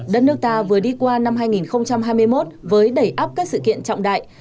đất nước ta vừa đi qua năm hai nghìn hai mươi một với đẩy áp các sự kiện trọng đại